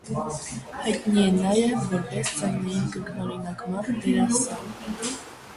Հայտնի է նաև որպես ձայնային կրկնօրինակման դերասան։